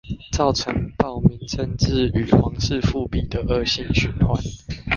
造成暴民政治與皇室復辟的惡性循環